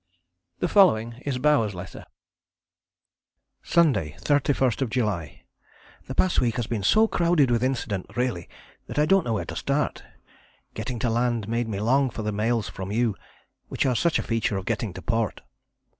The following is Bowers' letter: "Sunday, 31st July. "The past week has been so crowded with incident, really, that I don't know where to start. Getting to land made me long for the mails from you, which are such a feature of getting to port.